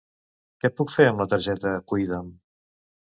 Què puc fer amb la targeta Cuida'm?